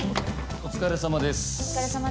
お疲れさまです。